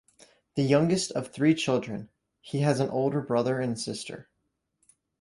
The youngest of three children, he has an older brother and sister.